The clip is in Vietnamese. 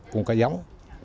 cũng có giống